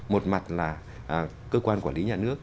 một mặt là cơ quan quản lý nhà nước